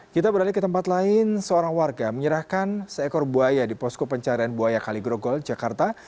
kita beralih ke tempat lain seorang warga menyerahkan seekor buaya di posko pencarian buaya kaligrogol jakarta